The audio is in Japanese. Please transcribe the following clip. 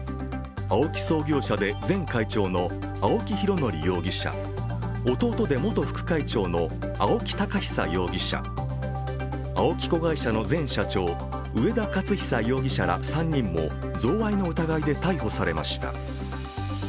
創業者で前会長の青木拡憲容疑者、弟で元副会長の青木宝久容疑者、ＡＯＫＩ子会社の前社長上田雄久容疑者ら３人も贈賄の疑いで逮捕されました。